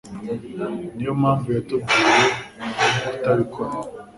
Niyo mpamvu yatubwiye kutabikora.